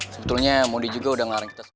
sebetulnya modi juga udah ngelarang kita